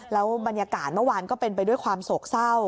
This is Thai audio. แล้วบรรยากาศเมื่อวานก็เป็นไปด้วยความโศกเศร้า